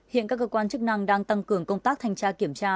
hiện các cơ quan chức năng đang tăng cường công tác thanh tra kiểm tra